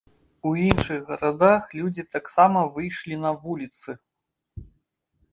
У іншых гарадах людзі таксама выйшлі на вуліцы.